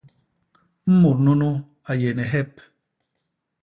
Mut nunu a yé ni hep.